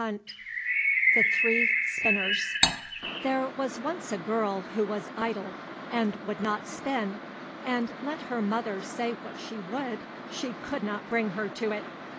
14 The Three Spinners There was once a girl who was idle and would not spin, and let her mother say what she would, she could not bring her to it.